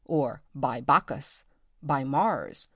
or by Bacchus! by Mars!